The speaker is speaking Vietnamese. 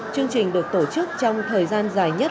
chương trình được tổ chức trong thời gian dài nhất